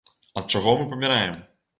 Ад чаго мы паміраем?